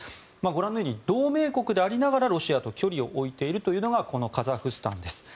ご覧のように同盟国でありながらロシアと距離を置いているというのがこのカザフスタンです。